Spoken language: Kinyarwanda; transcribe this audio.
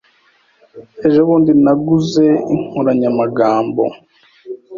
Ejo bundi naguze inkoranyamagambo.